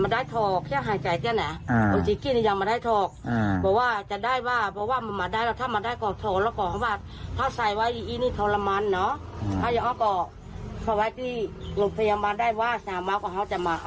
ได้แล้วนี่ห้องนี่ใจไม่ดีเจ้าอ่ะอันนี้การมาคืนห้องก็ดีใจค่ะ